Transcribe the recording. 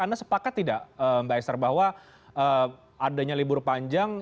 anda sepakat tidak mbak esther bahwa adanya libur panjang